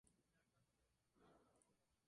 Su buque gemelo era el "Izumo".